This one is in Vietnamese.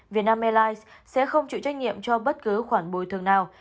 vietnam airlines sẽ không chịu trách nhiệm cho bất cứ khoản bồi thường nào